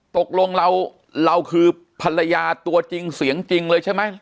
ตกลงเราคือภรรยาตัวจริงเสียงจริงเลยใช่ไหม